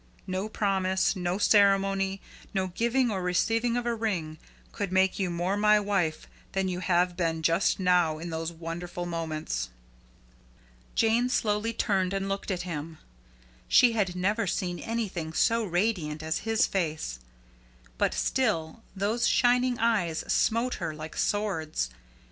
No promise, no ceremony, no giving or receiving of a ring, could make you more my wife than you have been just now in those wonderful moments." Jane slowly turned and looked at him. She had never seen anything so radiant as his face. But still those shining eyes smote her like swords.